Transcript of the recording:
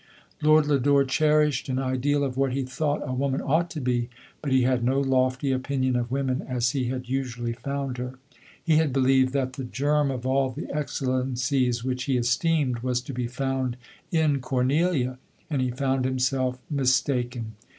Lord Lodore cherished an ideal of what he thought a woman ought to be ; but he had no lofty opinion of women as he had usually found her. He had believed that the germ of all the excellencies which he esteemed was to be found in Cornelia, and he found himself mistaken.